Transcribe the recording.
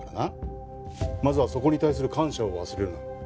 まずはそこに対する感謝を忘れるな。